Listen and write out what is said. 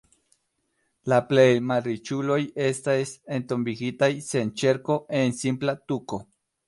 La plej-malriĉuloj estis entombigitaj sen ĉerko, en simpla tuko.